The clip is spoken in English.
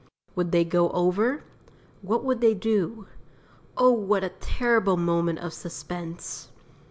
Would they go over? What would they do? Oh, what a terrible moment of suspense.